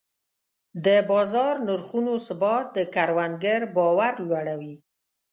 د بازار نرخونو ثبات د کروندګر باور لوړوي.